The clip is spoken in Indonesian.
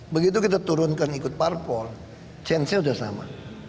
begitu kita turunkan ikut parpol chance nya sudah sama